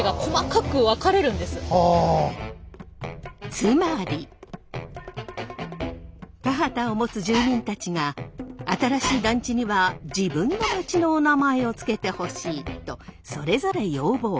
つまり田畑を持つ住民たちが新しい団地には自分の土地のおなまえをつけてほしいとそれぞれ要望。